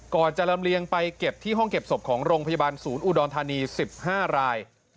ก่อนจะลำเลียงไปเก็บที่ห้องเก็บศพของโรงพยาบาลศูนย์อุดรธานี๑๕ราย